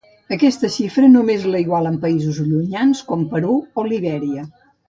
Aquesta xifra només la igualen països llunyans com el Perú o Libèria.